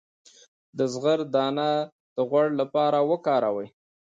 د زغر دانه د غوړ لپاره وکاروئ